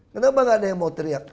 kenapa nggak ada yang mau teriak